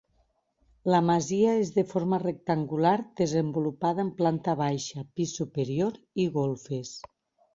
La masia és de forma rectangular desenvolupada en planta baixa, pis superior i golfes.